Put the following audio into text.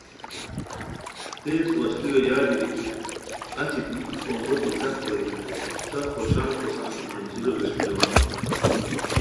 تیز وشلیو یادی گیتی اچی بی ای پونگو دی ځاہ کوری ہائے سف خوشان خوشان منزلو ووݰکی روان ہونی